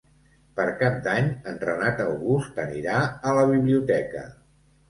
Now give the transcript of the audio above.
Per Cap d'Any en Renat August anirà a la biblioteca.